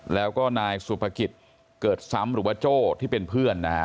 แล้วก็นายสุภกิจเกิดซ้ำหรือว่าโจ้ที่เป็นเพื่อนนะฮะ